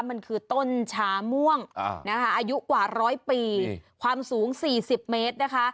มันคือต้นชาม่วงนะคะอายุกว่าร้อยปีความสูง๔๐เมตรนะคะ